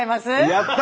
やった！